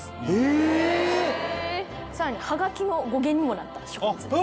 更に葉書の語源にもなった植物です。